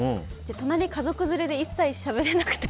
隣、家族連れで一切しゃべれなくて。